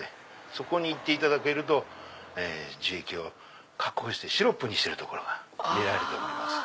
そこに行っていただけると樹液を加工してシロップにしてるとこが見れると思います。